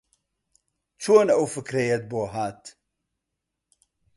چۆن ئەو فکرەیەت بۆ ھات؟